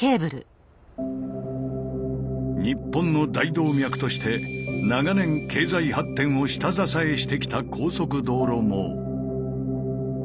日本の大動脈として長年経済発展を下支えしてきた高速道路網。